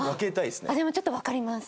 でもちょっとわかります！